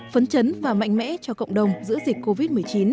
phấn chấn và mạnh mẽ cho cộng đồng giữa dịch covid một mươi chín